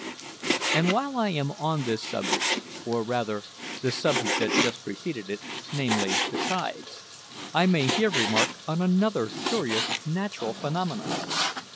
And while I am on this subject, or rather the subject that just preceded it namely, the tides I may here remark on another curious natural phenomenon.